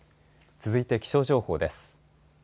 続いて気象情報です。